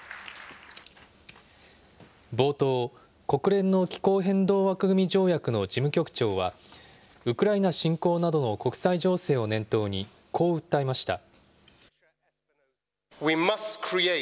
冒頭、国連の気候変動枠組み条約の事務局長は、ウクライナ侵攻などの国際情勢を念頭に、こう訴えました。